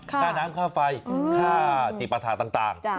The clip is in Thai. ค่าน้ำค่าไฟค่าจิปฐะต่าง